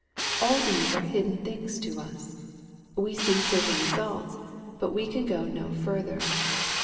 All these are hidden things to us. We seo certain results, but we can go no further.